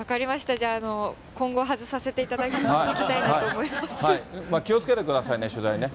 じゃあ、今後、外させていただき気をつけてくださいね、取材ね。